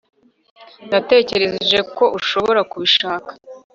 natekereje ko ushobora kubishaka